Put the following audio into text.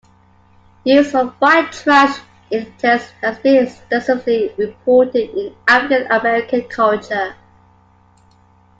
Use of "white trash" epithets has been extensively reported in African-American culture.